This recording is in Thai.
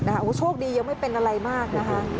โอ้โหโชคดียังไม่เป็นอะไรมากนะคะ